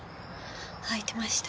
開いてました。